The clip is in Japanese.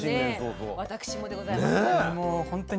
私もでございます。ね。